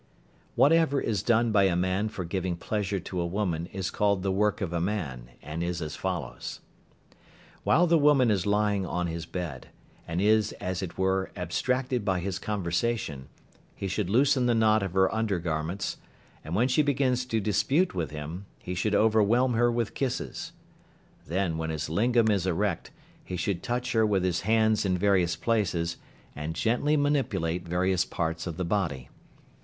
Whatever is done by a man for giving pleasure to a woman is called the work of a man, and is as follows: While the woman is lying on his bed, and is as it were abstracted by his conversation, he should loosen the knot of her under garments, and when she begins to dispute with him, he should overwhelm her with kisses. Then when his lingam is erect he should touch her with his hands in various places, and gently manipulate various parts of the body.